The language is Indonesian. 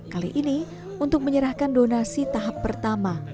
kali ini untuk menyerahkan donasi tahap pertama